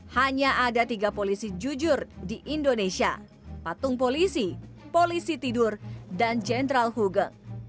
hanya ada tiga polisi jujur di indonesia patung polisi polisi tidur dan jenderal huge